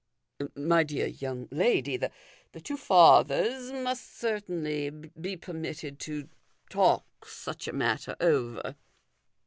" My dear young lady, the two fathers must certainly be permitted to talk such a matter over."